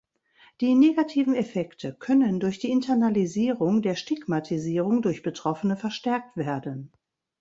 Die negativen Effekte können durch die Internalisierung der Stigmatisierung durch Betroffene verstärkt werden.